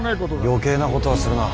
余計なことはするな。